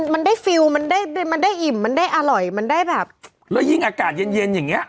มันได้ฟิวมันได้อิ่มมันได้อร่อยมันได้แบบแล้วยิ่งอากาศเย็นอย่างเงี้ย